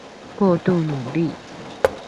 過度努力